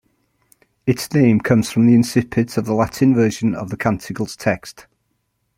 Its name comes from the incipit of the Latin version of the canticle's text.